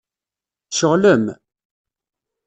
Tceɣlem?